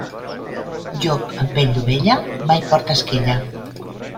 Llop amb pell d'ovella, mai porta esquella.